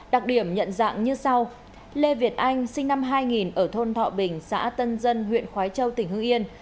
đặc điểm nhận dạng như sau lê việt anh sinh năm hai nghìn ở thôn thọ bình xã tân dân huyện khói châu tỉnh hương yên